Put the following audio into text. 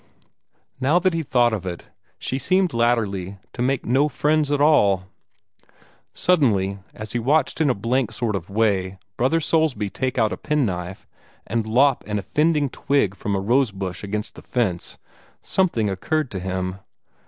Now that he thought of it, she seemed latterly to make no friends at all. Suddenly, as he watched in a blank sort of way Brother Soulsby take out a penknife, and lop an offending twig from a rose bush against the fence, something occurred to him.